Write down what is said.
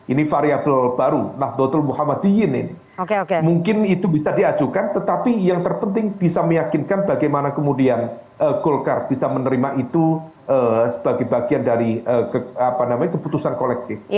ini variabel baru nahdlatul muhammadiyin ini mungkin itu bisa diajukan tetapi yang terpenting bisa meyakinkan bagaimana kemudian golkar bisa menerima itu sebagai bagian dari keputusan kolektif